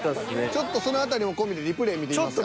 ちょっとその辺りも込みでリプレイ見てみますか。